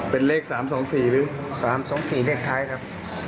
เป็นเลข๓๒๔หรือ๓๒๔เลขท้ายครับ